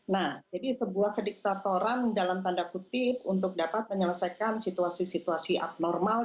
nah jadi sebuah kediktatoran dalam tanda kutip untuk dapat menyelesaikan situasi situasi abnormal